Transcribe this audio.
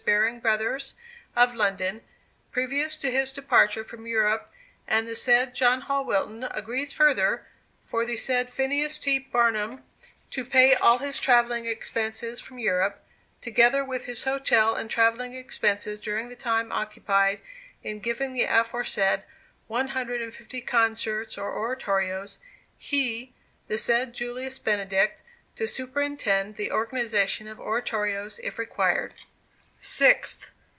Baring Brothers, of London, previous to his departure from Europe; and the said John Hall Wilton agrees further, for the said Phineas T. Barnum, to pay all his travelling expenses from Europe, together with his hotel and travelling expenses during the time occupied in giving the aforesaid one hundred and fifty concerts or oratorios he, the said Julius Benedict, to superintend the organization of oratorios, if required. 6th.